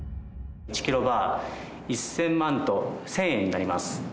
１キロバー、１０００万と１０００円になります。